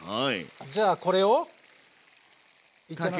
じゃあこれをいっちゃいます？